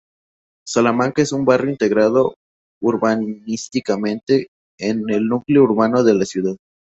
Salamanca es un barrio integrado urbanísticamente en el núcleo urbano de la ciudad.